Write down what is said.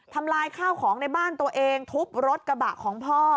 ทำลายข้าวของในบ้านตัวเองทุบรถกระบะของพ่อ